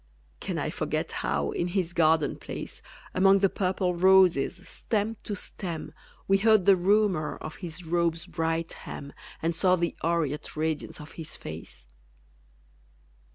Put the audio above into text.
Can I forget how, in his garden place, Among the purple roses, stem to stem, We heard the rumour of his robe's bright hem, And saw the aureate radiance of his face!